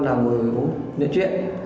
là người nói chuyện